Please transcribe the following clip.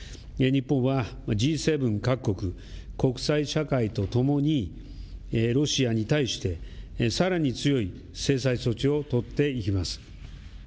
日本はＧ７各国、国際社会とともにロシアに対してさらに強い制裁措置を取っていきます。